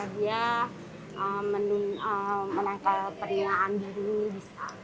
dia menangkal perinaan dulu bisa gitu sih